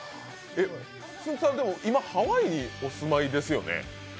つんく♂さん、今、ハワイにお住まいですよね？